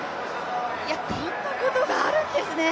こんなことがあるんですね。